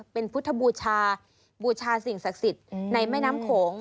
เป็นพุทธบูชาบูชาสิ่งศักดิ์สิทธิ์ในแม่น้ำโขง